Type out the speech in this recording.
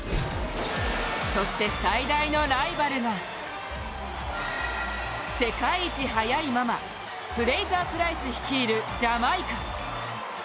そして、最大のライバルが世界一速いママ、フレイザープライス率いるジャマイカ。